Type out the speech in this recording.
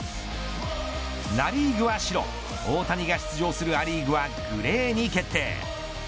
ナ・リーグは白大谷が出場するア・リーグはグレーに決定。